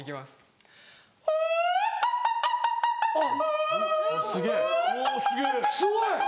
すごい！